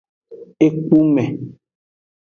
Ekpume.